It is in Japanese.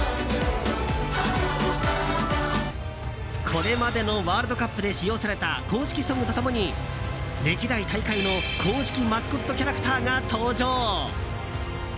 これまでのワールドカップで使用された公式ソングと共に歴代大会の公式マスコットキャラクターが登場。